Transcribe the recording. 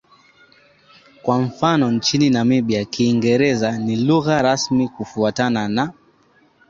Kwa mfano nchini Namibia Kiingereza ni lugha rasmi kufuatana na